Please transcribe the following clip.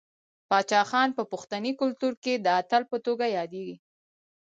باچا خان په پښتني کلتور کې د اتل په توګه یادیږي.